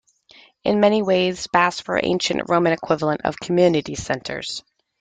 In many ways, baths were the ancient Roman equivalent of community centres.